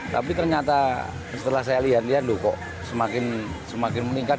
tapi ternyata setelah saya lihat lihat loh kok semakin meningkat